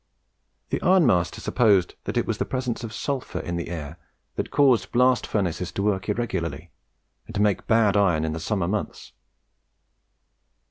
The ironmaster supposed that it was the presence of sulphur in the air that caused blast furnaces to work irregularly, and to make bad iron in the summer months.